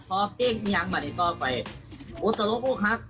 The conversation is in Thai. ขอเป้งพี่ยังมาดีต่อไปสักครั้งก็คับ